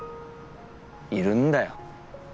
いるんだよ。